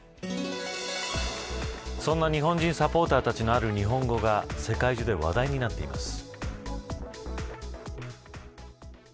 そんな日本人サポーターたちのある日本語が世界中で話題になっています。